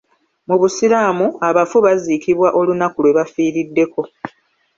Mu busiraamu, abafu baziikibwa olunaku lwe bafiiriddeko.